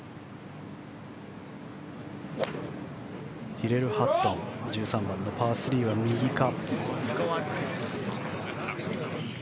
ティレル・ハットン１３番パー３は右か。